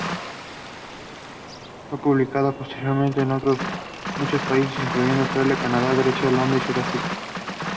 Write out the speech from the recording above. It functioned as an opposition party against the ruling Nacionalista Party.